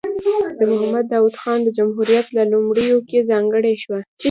د محمد داود خان د جمهوریت په لومړیو کې ځانګړې شوه.